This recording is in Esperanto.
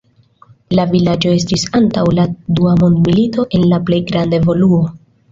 La vilaĝo estis antaŭ la dua mondmilito en la plej granda evoluo.